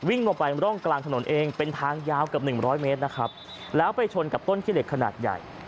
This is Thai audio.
วิ่งลงไปร่องกลางถนนเองเป็นทางยาวเกือบหนึ่งร้อยเมตรนะครับแล้วไปชนกับต้นขี้เหล็กขนาดใหญ่